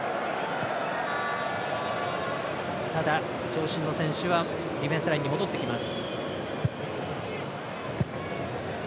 長身の選手はディフェンスラインに戻ってきます。